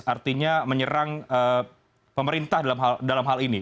artinya menyerang pemerintah dalam hal ini